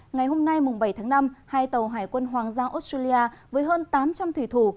ngày hôm nay bảy tháng năm hai tàu hải quân hoàng giao australia với hơn tám trăm linh thủy thủ